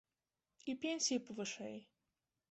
І пенсіі б вышэй.